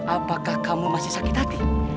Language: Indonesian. apakah kamu masih sakit hati